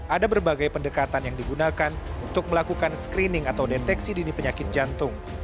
ada berbagai pendekatan yang digunakan untuk melakukan screening atau deteksi dini penyakit jantung